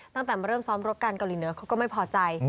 ตั้งแต่มาเริ่มซ้อมรบกันเกาหลีเหนือเขาก็ไม่พอใจ